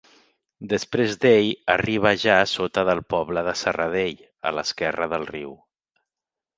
Després d'ell arriba ja a sota del poble de Serradell, a l'esquerra del riu.